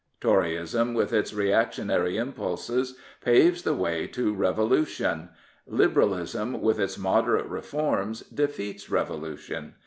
Toryism, with its reactionary impulses, paves the way to revolution; Liberalism, with its moderate reforms, defeats revolution.